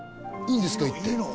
いいんですか？